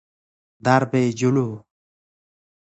درب جلو